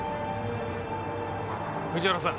「藤原さん！